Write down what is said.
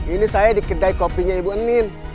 ini saya di kedai kopinya ibu enim